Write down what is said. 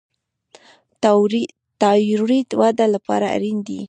تایرویډ وده لپاره اړین دی.